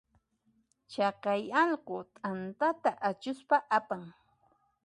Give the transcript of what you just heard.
Chaqay allqu t'antata achuspa apan.